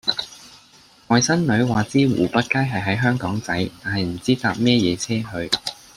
外甥女話知湖北街係喺香港仔但係唔知搭咩野車去